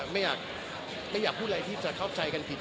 ไม่อยากพูดอะไรที่จะเข้าใจกันผิด